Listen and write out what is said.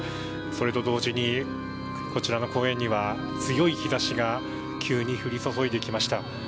それと同時にこちらの公園には強い日差しが急に降り注いできました。